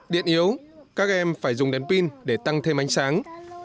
điện yếu các em phải dùng đèn pin để tăng thêm ánh sáng